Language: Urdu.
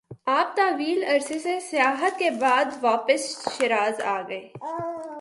آپ طویل عرصہ سے سیاحت کے بعدواپس شیراز آگئے-